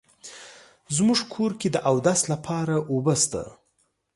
زمونږ کور کې د اودس لپاره اوبه شته